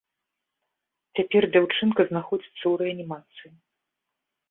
Цяпер дзяўчынка знаходзіцца ў рэанімацыі.